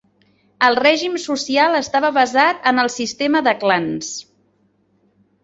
El règim social estava basat en el sistema de clans.